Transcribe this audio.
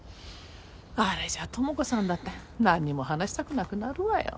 あれじゃ智子さんだって何にも話したくなくなるわよ。